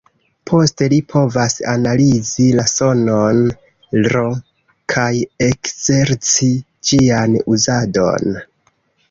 Poste li povas analizi la sonon "r", kaj ekzerci ĝian uzadon.